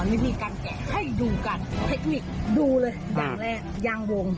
วันนี้เราจะมาสอนวิธีการแกะให้ดูกันเทคนิคดูเลยอย่างแรกยางวง